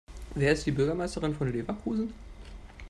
Wer ist die Bürgermeisterin von Leverkusen?